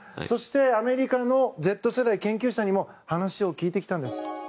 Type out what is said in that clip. そしてアメリカのＺ世代研究者にも話を聞いてきたんです。